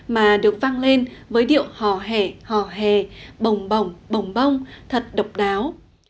mà được văng lên với điệu hò hẻ hò hề bồng bồng bồng bong thật độc đáo